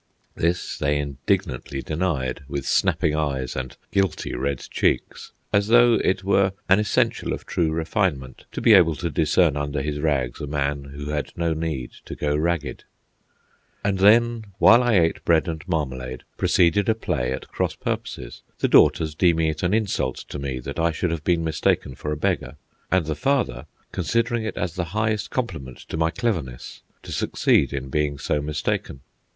ho! ho! ho!" This they indignantly denied, with snapping eyes and guilty red cheeks, as though it were an essential of true refinement to be able to discern under his rags a man who had no need to go ragged. And then, while I ate bread and marmalade, proceeded a play at cross purposes, the daughters deeming it an insult to me that I should have been mistaken for a beggar, and the father considering it as the highest compliment to my cleverness to succeed in being so mistaken.